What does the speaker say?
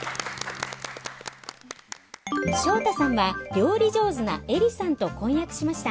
翔太さんは料理上手なエリさんと婚約しました。